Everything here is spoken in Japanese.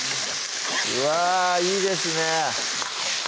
うわぁいいですね